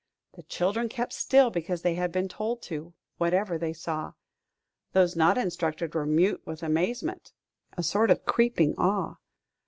The children kept still because they had been told to whatever they saw. Those not instructed were mute with amazement a sort of creeping awe.